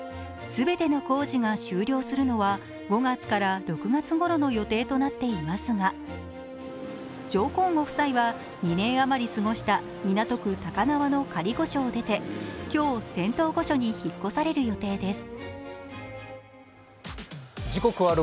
全ての工事が終了するのは５月から６月ごろの予定となっていますが上皇ご夫妻は２年あまり過ごした港区・高輪の仮御所を出て今日、仙洞御所に引っ越される予定です。